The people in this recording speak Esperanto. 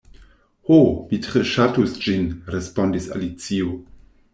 "Ho, mi tre ŝatus ĝin," respondis Alicio.